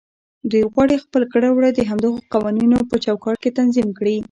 دوی غواړي خپل کړه وړه د همدغو قوانينو په چوکاټ کې تنظيم کړي.